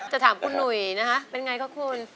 ถามคุณหนุ่ยนะคะเป็นไงคะคุณ